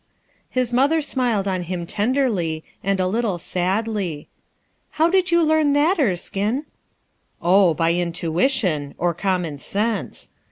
His mother smiled on him tenderly, and a little sadly. "How did you learn that, Erskine?" "Oh, by intuition; or common sense.